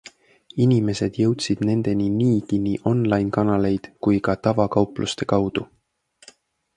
Inimesed jõudsid nendeni niigi nii online-kanaleid kui ka tavakaupluste kaudu.